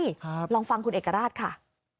ครับลองฟังคุณเอกราชค่ะ